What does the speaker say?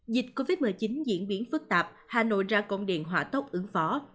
dịch covid một mươi chín diễn biến phức tạp hà nội ra công điện hỏa tốc ứng phó